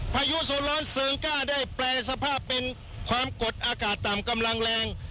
พายุโซร้อนเซิงก้าได้แปรสภาพเป็นความกดอากาศต่ำกำลังแรง